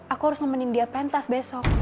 aku harus nemenin dia pentas besok